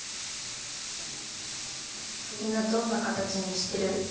みんなどんなかたちにしてる？